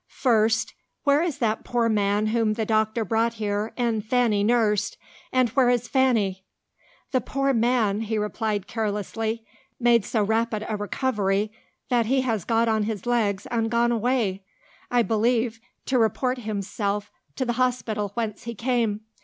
"First, where is that poor man whom the doctor brought here and Fanny nursed? And where is Fanny?" "The poor man," he replied carelessly, "made so rapid a recovery that he has got on his legs and gone away I believe, to report himself to the hospital whence he came.